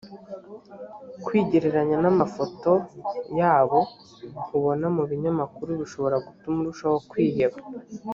kwigereranya n amafoto y abo ubona mu binyamakuru bishobora gutuma urushaho kwiheba